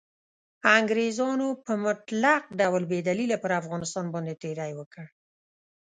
انګریزانو په مطلق ډول بې دلیله پر افغانستان باندې تیری وکړ.